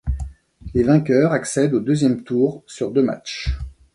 Les vainqueurs accèdent au deuxième tour sur deux matchs.